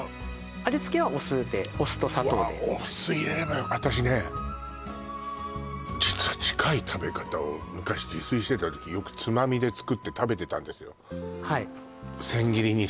味付けはお酢でお酢と砂糖でわあお酢入れれば私ね実は近い食べ方を昔自炊してた時よくつまみで作って食べてたんですよ